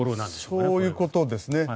そういうことですね。